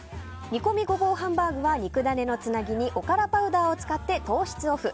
煮込みゴボウハンバーグは肉ダネのつなぎにおからパウダーを使って糖質オフ。